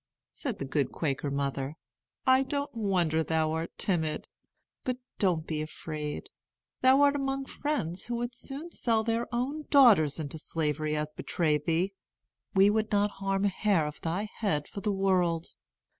said the good Quaker mother, "I don't wonder thou art timid. But don't be afraid. Thou art among friends who would as soon sell their own daughters into Slavery as betray thee. We would not harm a hair of thy head for the world."